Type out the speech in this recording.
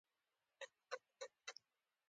صوبه دار بلوک مشر لقب لري.